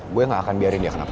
gue gak akan biarin dia kenapa